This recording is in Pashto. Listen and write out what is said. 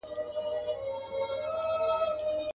زما انارګلي زما ښایستې خورکۍ.